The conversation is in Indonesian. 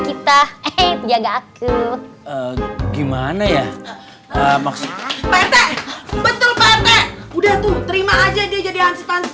kita eh penjaga aku gimana ya maksudnya betul betul udah terima aja dia jadi hansip hansip